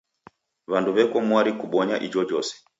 W'andu w'eko mwari kubonya ijojose.